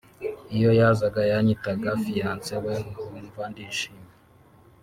Iyo yazaga yanyitaga fiance we nkumva ndishimye